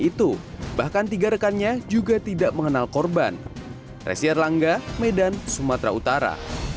itu bahkan tiga rekannya juga tidak mengenal korban resi erlangga medan sumatera utara